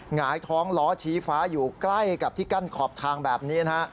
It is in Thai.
หงายท้องล้อชี้ฟ้าอยู่ใกล้กับที่กั้นขอบทางแบบนี้นะฮะ